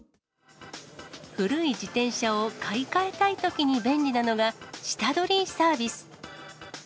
古い自転車を買い替えたいときに便利なのが、下取りサービス。